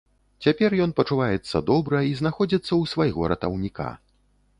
Цяпер ён пачуваецца добра і знаходзіцца ў свайго ратаўніка.